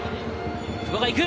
久保がいく！